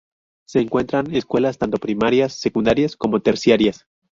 Se encuentran escuelas tanto primarias, secundarias, como terciarias.